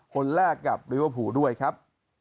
คนแรกกับลื้อภูด้วยครับ